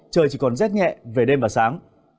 trời chỉ còn rét nhẹ về đêm và sáng